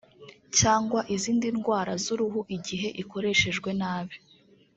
cyangwa izindi ndwara z’uruhu igihe ikoreshejwe nabi